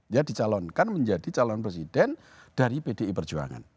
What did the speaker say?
dia dicalonkan menjadi calon presiden dari pdi perjuangan